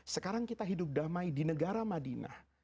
sekarang kita hidup damai di negara madinah